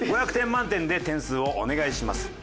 ５００点満点で点数をお願いします。